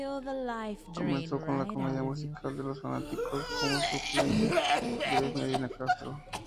Comenzó con la comedia musical "Los fanáticos", como suplente de Luis Medina Castro.